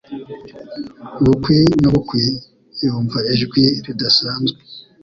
Bukwi na bukwi yumva ijwi ridasanzwe